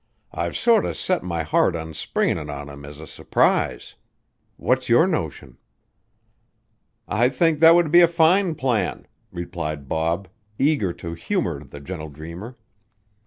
I've sorter set my heart on springin' it on him as a surprise. What's your notion?" "I think that would be a fine plan," replied Bob, eager to humor the gentle dreamer.